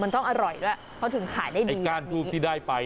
มันต้องอร่อยด้วยเพราะถึงขายได้ดีไอ้ก้านทูบที่ได้ไป